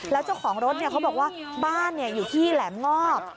แล้วเจ้าของรถเขาบอกว่าบ้านอยู่ที่แหลมงอบ